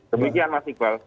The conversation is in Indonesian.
demikian mas iqbal